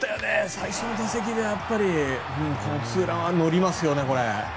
最初の打席でこのツーランは乗りますよね。